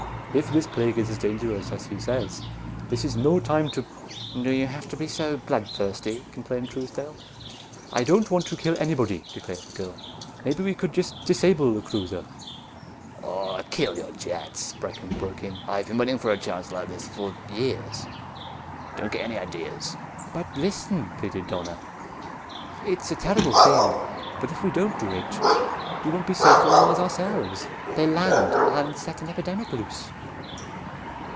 If this plague is as dangerous as he says, this is no time to " "Do you have to be so bloodthirsty?" complained Truesdale. "I don't want to kill anybody," declared the girl; "maybe we could just disable the cruiser." "Aw, kill your jets!" Brecken broke in. "I've been waiting for a chance like this for years. Don't get any ideas!" "But listen!" pleaded Donna. "It's a terrible thing, but if we don't do it, we won't be safe on Mars ourselves; they'll land and set an epidemic loose."